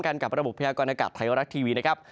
กันกับระบบพยากรณากาศไทยรักทีวี